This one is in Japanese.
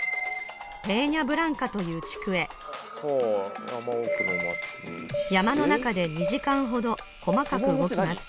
ペーニャ・ブランカという地区へ山の中で２時間ほど細かく動きます